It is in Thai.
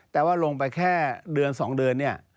แต่ว่าลงไปแค่เดือน๒เดือนเนี่ย